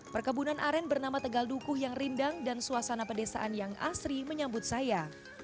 perkebunan aren bernama tegal dukuh yang rindang dan suasana pedesaan yang asri menyambut saya